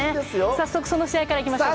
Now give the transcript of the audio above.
早速、その試合からいきましょうか。